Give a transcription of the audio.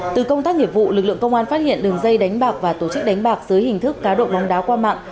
từ công tác nghiệp vụ lực lượng công an phát hiện đường dây đánh bạc và tổ chức đánh bạc dưới hình thức cá độ bóng đá qua mạng